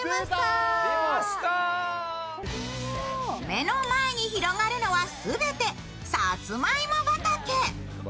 目の前に広がるのはすべてさつまいも畑。